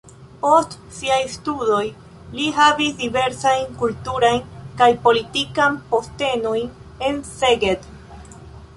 Post siaj studoj li havis diversajn kulturajn kaj politikajn postenojn en Szeged.